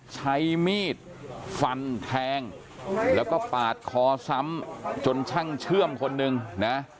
ใช้มีดฟันแทงแล้วก็ปาดคอซ้ำจนช่างเชื่อมคนหนึ่งนะ